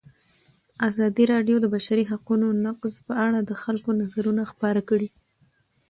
ازادي راډیو د د بشري حقونو نقض په اړه د خلکو نظرونه خپاره کړي.